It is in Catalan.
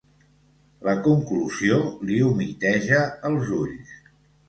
La conclusió li humiteja els ulls.